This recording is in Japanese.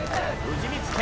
藤光！